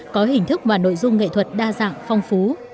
có hình thức và nội dung nghệ thuật đa dạng phong phú